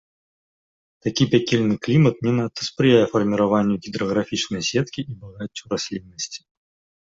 Такі пякельны клімат не надта спрыяе фарміраванню гідраграфічнай сеткі і багаццю расліннасці.